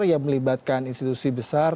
yang melibatkan institusi besar